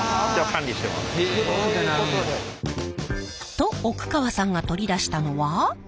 と奥川さんが取り出したのは。